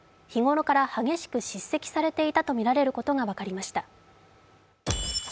日頃から激しく叱責されていたとみられることが分かりました。